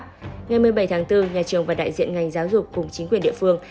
ngày một mươi bảy tháng bốn nhà trường và đại diện ngành giáo dục cùng chính quyền địa phương